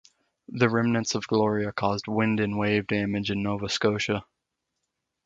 The remnants of Gloria caused wind and wave damage in Nova Scotia.